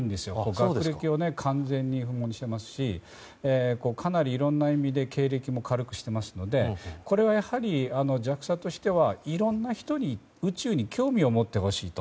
学歴を完全に不問にしていますしかなりいろんな意味で経歴も軽くしていますしこれは、ＪＡＸＡとしてはいろんな人に宇宙に興味を持ってほしいと。